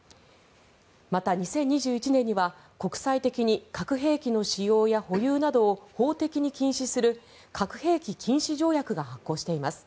また、２０２１年には国際的に核兵器の使用や保有などを法的に禁止する核兵器禁止条約が発行しています。